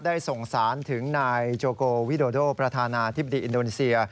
ได้ส่งสารถึงนายโจโกวิโดโดประธานาธิบดีอินโดนีเซีย